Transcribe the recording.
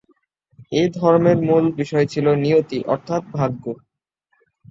এই ধর্মের মূল বিষয় ছিল "নিয়তি" অর্থাৎ "ভাগ্য"।